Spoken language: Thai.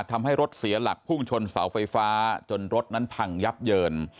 ทำให้รถเสียหลักพุ่งชนเสาไฟฟ้าจนรถนั้นพังยับเยิน